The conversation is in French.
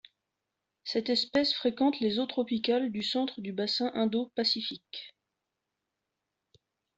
Cette espèce fréquente les eaux tropicales du centre du bassin Indo-Pacifique.